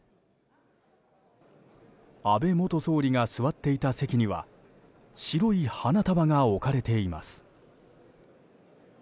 安倍元総理が座っていた席には白い花束が置かれています。